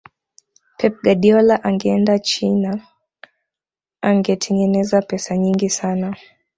pep guardiola angeenda china angetengeneza pesa nyingi sana